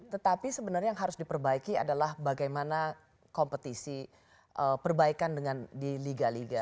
tetapi sebenarnya yang harus diperbaiki adalah bagaimana kompetisi perbaikan dengan di liga liga